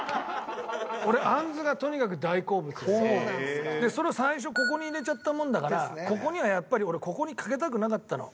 俺あんずがとにかく大好物でそれを最初ここに入れちゃったもんだからここにはやっぱり俺ここにかけたくなかったの。